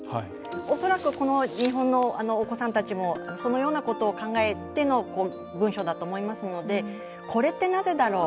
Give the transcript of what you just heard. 恐らくこの日本のお子さんたちもそのようなことを考えての文章だと思いますのでこれってなぜだろう。